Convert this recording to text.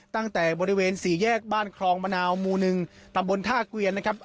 ตั้งแต่บริเวณสี่แยกบ้านคลองมะนาวหมู่๑ตำบลท่าเกวียนนะครับ